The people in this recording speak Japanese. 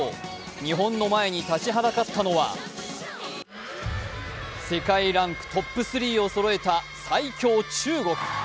日本の前に立ちはだかったのは、世界ランクトップ３をそろえた最強中国。